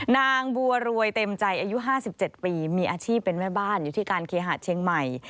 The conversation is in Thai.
นางบัวรวยเต็มใจอายุ๕๗ปีมีอาชีพเป็นแม่บ้านอยู่ที่การเคหาดเชียงใหม่